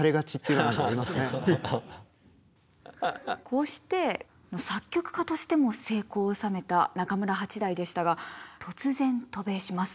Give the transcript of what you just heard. こうして作曲家としても成功を収めた中村八大でしたが突然渡米します。